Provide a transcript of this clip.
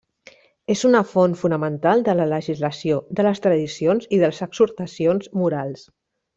És una font fonamental de la legislació, de les tradicions i de les exhortacions morals.